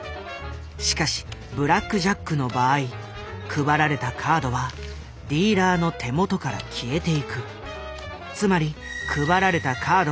しかしブラックジャックの場合配られたカードはディーラーの手元から消えていく。